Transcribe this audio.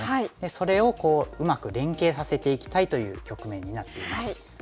それをうまく連携させていきたいという局面になっています。